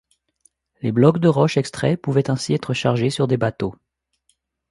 Les blocs de roche extraits pouvaient ainsi être chargés sur des bateaux.